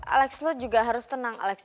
alex lo juga harus tenang alex